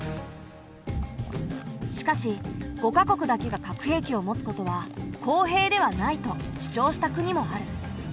しかし５か国だけが核兵器を持つことは公平ではないと主張した国もある。